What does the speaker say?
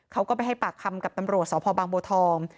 เขาก็ไปให้ปากคำกับตำรวจสพบางบัวทอง